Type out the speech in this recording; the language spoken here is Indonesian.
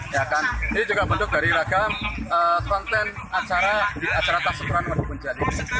ini juga bentuk dari ragam konten acara di acara tak sempuran waduk penjalin